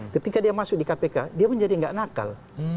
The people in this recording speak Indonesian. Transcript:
ketika dia masuk di kpk dia menjadi tidak nakal